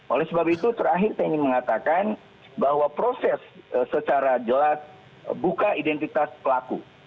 oleh sebab itu terakhir saya ingin mengatakan bahwa proses secara jelas buka identitas pelaku